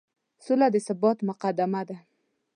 سوله د ثبات مقدمه ده.